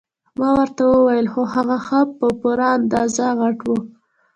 ما ورته وویل هو هغه ښه په پوره اندازه غټ وو.